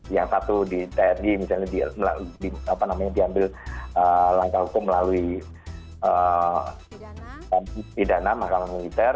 yang satu di tni misalnya diambil langkah hukum melalui pidana makam militer